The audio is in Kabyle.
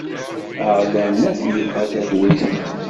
Aɣlan akk yebɣa talwit.